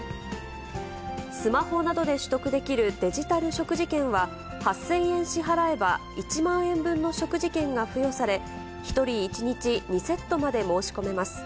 スマホなどで取得できるデジタル食事券は、８０００円支払えば、１万円分の食事券が付与され、１人１日２セットまで申し込めます。